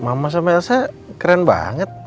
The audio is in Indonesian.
mama sama saya keren banget